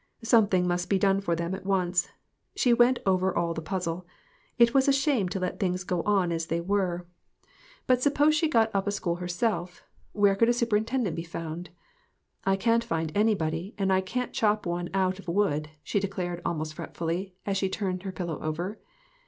Something must be done for them at once. She went over all the puzzle. It was a shame to let things go on as they were. But 4O GOOD BREAD AND GOOD MEETINGS. suppose she got up a school herself, where could a superintendent be found ?" I can't find anybody, and I can't chop one out of wood," she declared almost fretfully, as she turned her pillow over.